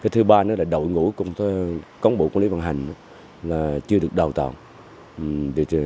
thứ ba nữa là đội ngũ công tác quản lý điều hành chưa được đào tạo